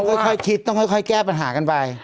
ค่อยคิดต้องค่อยแก้ปัญหากันไป